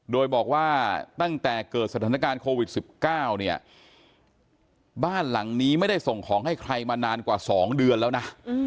โดยบอกว่าตั้งแต่เกิดสถานการณ์โควิด๑๙เนี่ยบ้านหลังนี้ไม่ได้ส่งของให้ใครมานานกว่า๒เดือนแล้วนะ